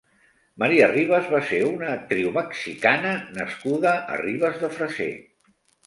María Rivas va ser una actriu mexicana nascuda a Ribes de Freser.